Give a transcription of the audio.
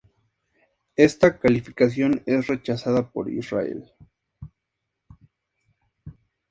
Esta calificación es rechazada por Israel.